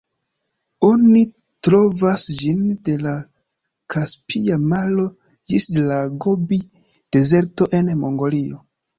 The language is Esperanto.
Oni trovas ĝin de la Kaspia maro ĝis la Gobi-dezerto en Mongolio.